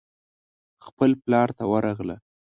خپل پلار ته ورغله.